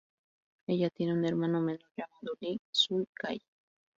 Ella tiene un hermano menor llamado, Lee Sue-gai.